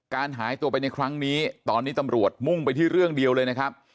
หายตัวไปในครั้งนี้ตอนนี้ตำรวจมุ่งไปที่เรื่องเดียวเลยนะครับ